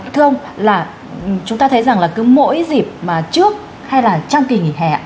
thưa ông là chúng ta thấy rằng là cứ mỗi dịp mà trước hay là trong kỳ nghỉ hè